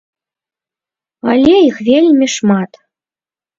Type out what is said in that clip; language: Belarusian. Але іх вельмі шмат.